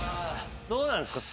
どうなんすか？